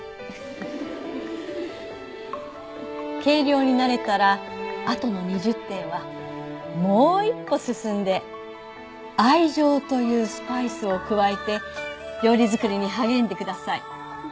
計量に慣れたらあとの２０点はもう一歩進んで愛情というスパイスを加えて料理作りに励んでください。